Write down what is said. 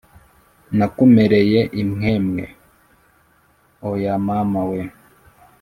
Nakumereye imwemwe, oya mama we